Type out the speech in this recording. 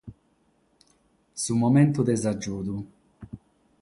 Su momentu de s'agiudu.